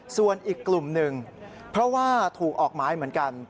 ส่วนอีกกลุ่มหนึ่งเพราะว่าถูกออกหมายเหมือนกัน